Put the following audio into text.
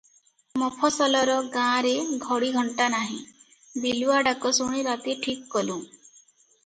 ମଫସଲର ଗାଁରେ ଘଡ଼ି ଘଣ୍ଟା ନାହିଁ, ବିଲୁଆ ଡାକ ଶୁଣି ରାତି ଠିକ୍ କଲୁଁ ।